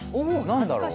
何だろう？